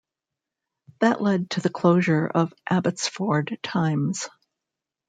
That led to the closure of Abbotsford Times.